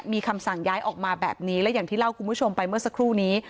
มีคำสั่งย้ายออกมาแบบนี้และอย่างที่เล่าคุณผู้ชมไปเมื่อสักครู่นี้